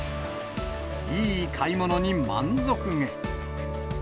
いい買い物に満足げ。